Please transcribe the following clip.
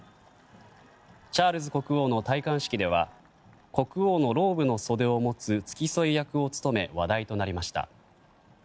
チャールズ国王の戴冠式では国王のローブの袖を持つ付き添い役を務め話題となりました。